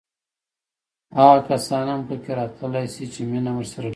هغه کسان هم پکې راتللی شي چې مینه ورسره لرو.